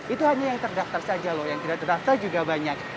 itu hanya yang terdaftar saja loh yang tidak terdaftar juga banyak